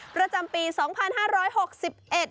ประจำปี๒๕๖๑นะครับ